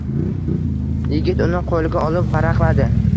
Yigit uni qo‘liga olib varaqladi.